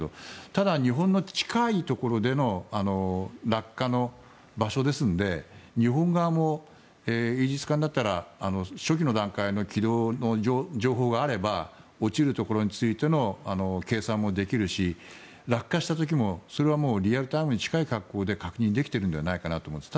ただ、日本に近い落下場所ですので日本側もイージス艦だったら初期の段階の軌道の情報があれば落ちるところについての計算もできるし落下した時も、それはリアルタイムに近い格好で確認できているんではないかと思います。